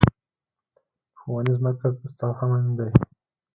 ښوونيز مرکز استاد هم امين دی.